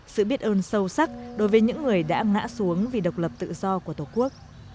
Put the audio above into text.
sự biết ơn sâu sắc đối với những người đã ngã xuống vì độc lập tự do của tổ quốc